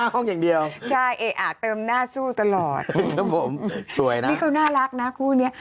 ขอด้วยแวะใช่เอ๋อเติมหน้าสู้ตลอดนี่เขาน่ารักนะคู่นี้